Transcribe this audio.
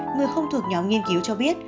người không thuộc nhóm nghiên cứu cho biết